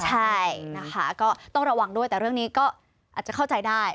ใช่นะคะก็ต้องระวังด้วยแต่เรื่องนี้ก็อาจจะเข้าใจได้